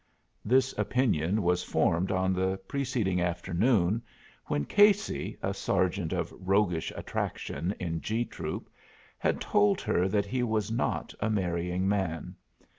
This opinion was formed on the preceding afternoon when Casey, a sergeant of roguish attractions in G troop, had told her that he was not a marrying man.